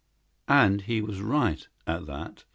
And he was right, at that.